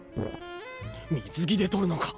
水着で撮るのか？